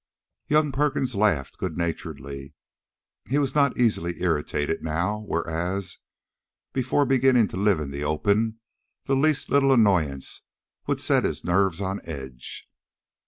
Young Perkins laughed good naturedly. He was not easily irritated now, whereas, before beginning to live in the open, the least little annoyance would set his nerves on edge.